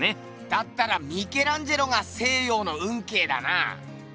だったらミケランジェロが「西洋の運慶」だな。